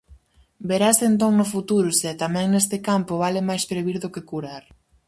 Verase entón no futuro se, tamén neste campo, vale máis previr do que curar.